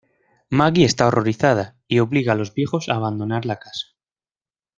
Maggie está horrorizada y obliga a los viejos a abandonar la casa.